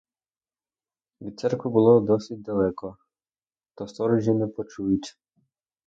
Від церкви було досить далеко, то сторожі не почують.